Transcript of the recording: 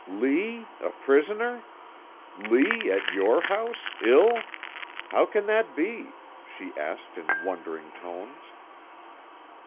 "Lee a prisoner? Lee at your house ill? How can that be?" she asked in wondering tones.